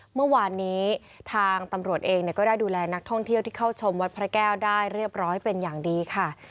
เมื่อวานนี้ทางตำรวจเองก็ได้ดูแลนักท่องเที่ยวที่เข้าชมวัดพระแก้วได้เรียบร้อยเป็นอย่างดีค่ะ